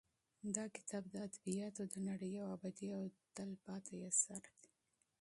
دا کتاب د ادبیاتو د نړۍ یو ابدي او تلپاتې اثر دی.